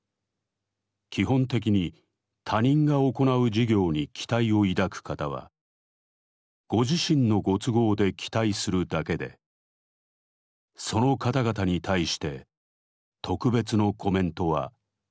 基本的に他人が行う事業に期待を抱く方はご自身のご都合で期待するだけでその方々に対して特別のコメントは御座いません」。